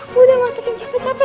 gue udah masukin cepat capek